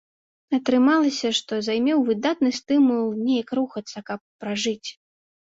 Атрымалася, што займеў выдатны стымул неяк рухацца, каб пражыць.